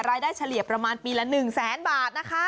รายได้เฉลี่ยประมาณปีละ๑๐๐๐๐๐บาทนะคะ